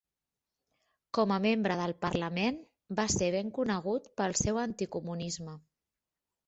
Com a membre del parlament, va ser ben conegut pel seu anticomunisme.